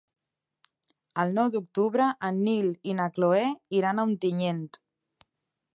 El nou d'octubre en Nil i na Cloè iran a Ontinyent.